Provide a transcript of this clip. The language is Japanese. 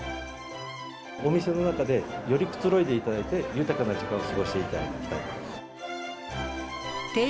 お店の中でよりくつろいでいただいて、豊かな時間を過ごしていただきたい。